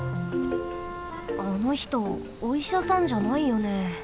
あのひとおいしゃさんじゃないよね。